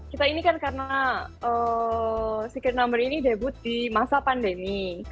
kita ini kan karena secret number ini debut di masa pandemi